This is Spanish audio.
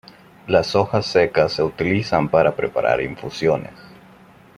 Las hojas secas se utilizan para preparar infusiones.